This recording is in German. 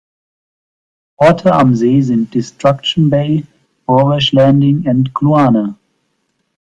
Orte am See sind Destruction Bay, Burwash Landing und Kluane.